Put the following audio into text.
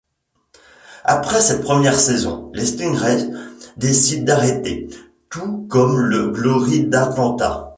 Après cette première saison, les StingRays décident d'arrêter, tout comme le Glory d'Atlanta.